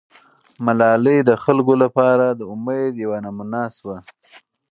ملالۍ د خلکو لپاره د امید یوه نمونه سوه.